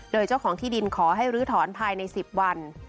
โดยเจ้าของที่ดินขอให้ลื้อถอนภายใน๑๐วัน